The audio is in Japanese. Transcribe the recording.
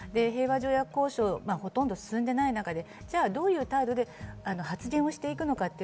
平和条約交渉はほとんど進んでいない中で、どういう態度で発言をしていくのか。